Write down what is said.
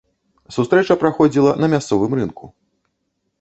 Сустрэча праходзіла на мясцовым рынку.